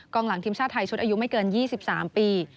งหลังทีมชาติไทยชุดอายุไม่เกิน๒๓ปี